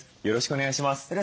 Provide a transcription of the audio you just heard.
よろしくお願いします。